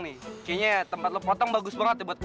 sepertinya tempat kamu memotong rambut saya sangat bagus